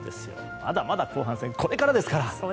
まだまだ、後半戦これからですから。